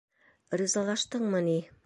Ризалаштыңмы ни?